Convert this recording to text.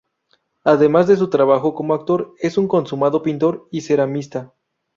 Además de su trabajo como actor, es un consumado pintor y ceramista.